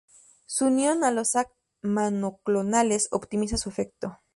Su unión a los Ac Monoclonales optimiza su efecto.